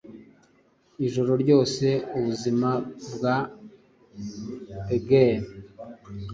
Ijoro ryose ubuzima bwa beguile.